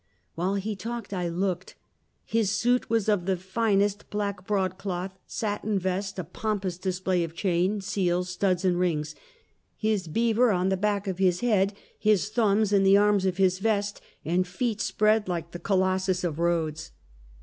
While he talked I looked. His suit was of the fin est black broadcloth, satin vest, a pompous display of chain, seals, studs and rings, his beaver on the back of his head, his thumbs in the arms of his vest, and feet spread like the Colossus of Rhodes.